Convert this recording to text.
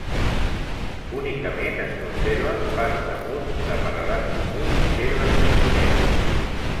Únicament es conserven parts de mur de paredat comú i pedres cantoneres.